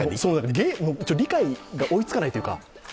理解が追いつかないというか。